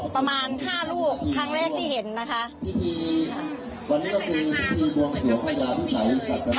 ประมาณห้าลูกครั้งแรกที่เห็นนะคะ